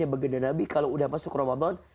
baginda nabi kalau udah masuk ramadan